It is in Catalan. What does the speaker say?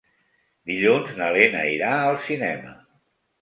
Dilluns na Lena irà al cinema.